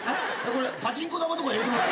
パチンコ玉とか入れてません？